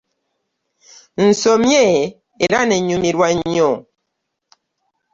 Nsomye era n'enyumirwa nnyo ..